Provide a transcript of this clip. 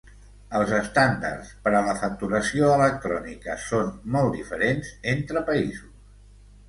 Els estàndards per a la facturació electrònica són molt diferents entre països.